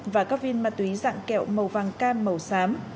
và các viên ma túy dạng kẹo màu vàng cam màu sám